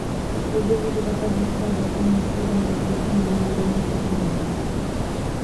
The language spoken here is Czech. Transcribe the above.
V průběhu života získal velké množství domácích i mezinárodních ocenění.